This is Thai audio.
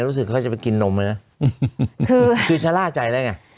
รู้สึกเขาจะไปกินนมเลยนะคือชะล่าใจได้ไง